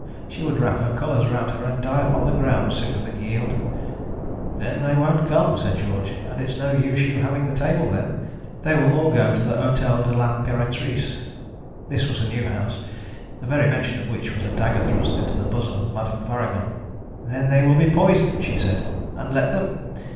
She would wrap her colours round her and die upon the ground sooner than yield. 'Then they won't come,' said George, 'and it's no use you having the table then. They will all go to the Hotel de l'Imperatrice.' This was a new house, the very mention of which was a dagger thrust into the bosom of Madame Faragon. 'Then they will be poisoned,' she said. 'And let them!